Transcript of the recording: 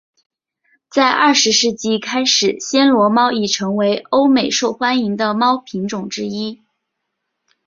在二十世纪开始暹罗猫已成为欧美受欢迎的猫品种之一。